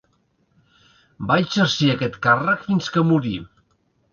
Va exercir aquest càrrec fins que morí.